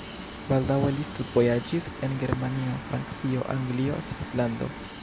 Baldaŭe li studvojaĝis en Germanio, Francio, Anglio, Svislando.